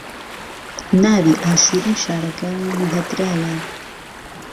ناوی ئاشوری شارەکە نوھەدرایە